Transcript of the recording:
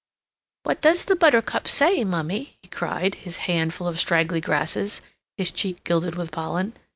"What does the buttercup say, mummy?" he cried, his hand full of straggly grasses, his cheek gilded with pollen.